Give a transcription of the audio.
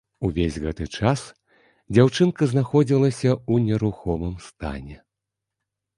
Увесь гэты час дзяўчынка знаходзілася ў нерухомым стане.